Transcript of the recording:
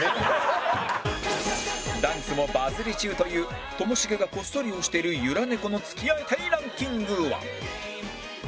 ダンスもバズり中というともしげがこっそり推してるゆら猫の付き合いたいランキングは